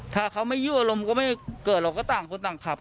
ถ้าเขาไม่ยั่วลงก็ไม่เกิดหรอกก็ต่างคนต่างขับ